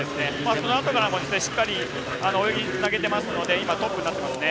このあとからしっかり泳ぎにつなげてますのでトップになってますね。